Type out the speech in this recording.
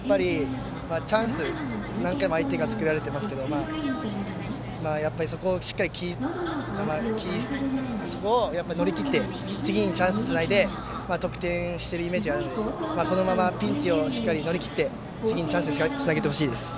チャンス何回も相手に作られていますがそこを乗り切って次にチャンスをつないで得点しているイメージがあるのでこのままピンチをしっかり乗り切って次のチャンスにつなげてほしいです。